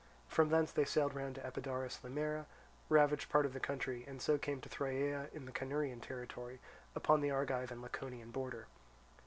From thence they sailed round to Epidaurus Limera, ravaged part of the country, and so came to Thyrea in the Cynurian territory, upon the Argive and Laconian border.